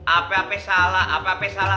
apa apa salah apa apa salah